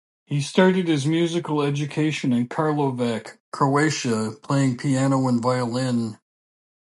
He started his musical education in Karlovac, Croatia, playing piano and violin.